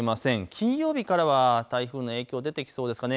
金曜日からは台風の影響出てきそうですかね。